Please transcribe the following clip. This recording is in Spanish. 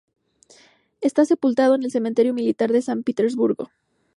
Está sepultado en el cementerio militar de San Petersburgo.